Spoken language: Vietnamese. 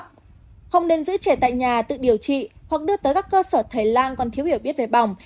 không nên giữ trẻ tại nhà tự điều trị hoặc đưa tới các cơ sở thầy lang còn thiếu hiểu biết về bỏng